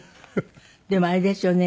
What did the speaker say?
でもあれですよね